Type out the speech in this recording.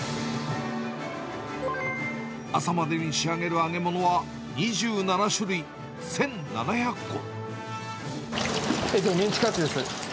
朝までに仕上げる揚げ物は２７種メンチカツです。